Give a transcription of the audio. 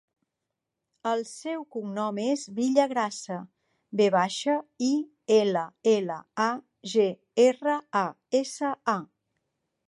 El seu cognom és Villagrasa: ve baixa, i, ela, ela, a, ge, erra, a, essa, a.